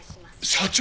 社長！